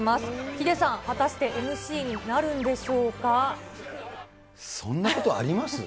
ヒデさん、果たしてＭＣになるんそんなことあります？